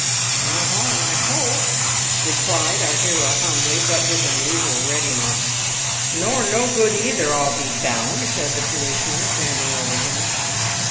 "No harm, I hope," replied our hero humbly, but with unusual readiness. "Nor no good either, I'll be bound!" said the policeman, standing over him.